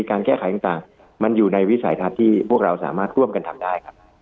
การแก้ไขต่างมันอยู่ในวิสัยทัศน์ที่พวกเราสามารถร่วมกันทำได้ครับ